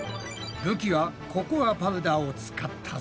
るきはココアパウダーを使ったぞ。